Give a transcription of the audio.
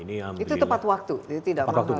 itu tepat waktu